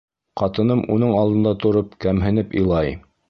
Ҡатыным уның алдында тороп, кәмһенеп илай: